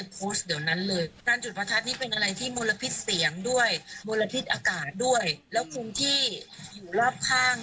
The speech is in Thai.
เป็นอะไรที่มลพิษเสียงด้วยมลพิษอากาศด้วยแล้วคุณที่อยู่รอบข้าง